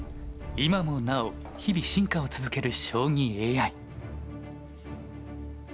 今もなお日々進化を続ける将棋ＡＩ。